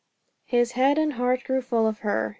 His head and heart grew full of her.